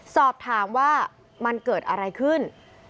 สอบถามว่ามันเกิดอะไรขึ้น